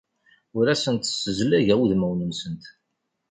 Ur asent-ssezlageɣ udmawen-nsent.